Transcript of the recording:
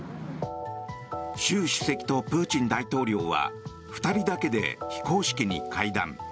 習主席とプーチン大統領は２人だけで非公式に会談。